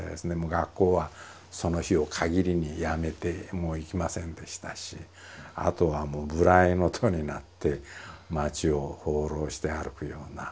学校はその日を限りにやめてもう行きませんでしたしあとはもう無頼の徒になって町を放浪して歩くような。